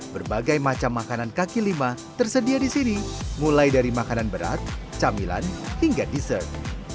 berbagai macam makanan kaki lima tersedia di sini mulai dari makanan berat camilan hingga dessert